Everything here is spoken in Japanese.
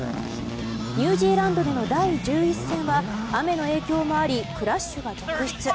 ニュージーランドでの第１１戦は雨の影響もありクラッシュが続出。